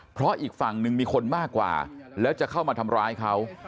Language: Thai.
เพื่อมาทำร้ายเขา